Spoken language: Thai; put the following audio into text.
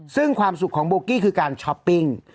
ซึ่งความสุขของโบกี้คือการช้อปปิ้ง